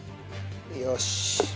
よし。